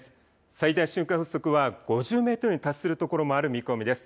最大瞬間風速は５０メートルに達するところもある見込みです。